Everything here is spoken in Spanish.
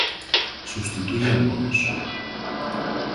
Sustituye a Mons.